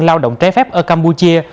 lao động trái phép ở campuchia